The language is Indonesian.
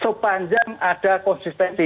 sepanjang ada konsistensi